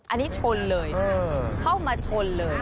อันนี้ชนเลยนะครับเข้ามาชนเลย